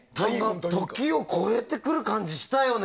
時を越えてくる感じしたよね。